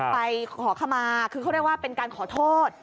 ไปขอขมาคือเขาเรียกว่าเป็นการขอโทษ